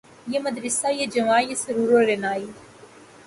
یہ مدرسہ یہ جواں یہ سرور و رعنائی